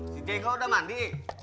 si diego udah mandi